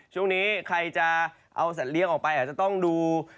ช่วงนี้ใครจะดู